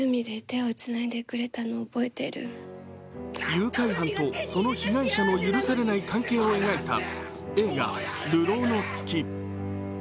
誘拐犯とその被害者の許されない関係を描いた映画「流浪の月」。